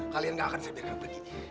kalian gak akan saya biarkan pergi